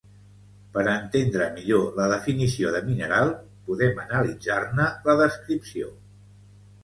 Per entendre millor la definició de mineral, podem analitzar-ne la descripció